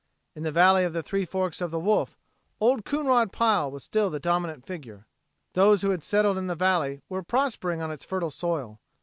In the "Valley of the Three Forks o' the Wolf" Old Coonrod Pile was still the dominant figure. Those who had settled in the valley were prospering on its fertile soil.